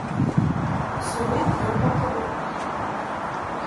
Ce groupe lui importait beaucoup.